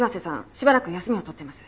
しばらく休みを取っています。